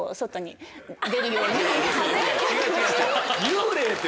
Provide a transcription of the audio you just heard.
幽霊って。